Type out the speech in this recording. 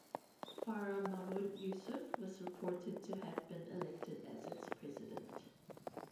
Farah Mahmud Yusuf was reported to have been elected as its president.